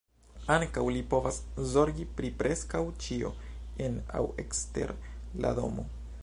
Ankaŭ li povas zorgi pri preskaŭ ĉio en aŭ ekster la domo.